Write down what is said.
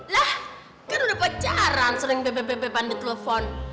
lah kan udah pacaran sering bebe pandit telepon